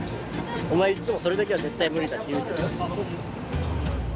お前いつもそれだけは絶対無理だって言うじゃん。